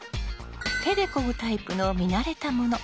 手でこぐタイプの見慣れたもの。